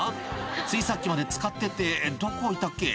「ついさっきまで使っててどこ置いたっけ？」